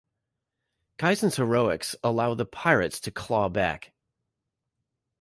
Kison's heroics allowed the Pirates to claw back.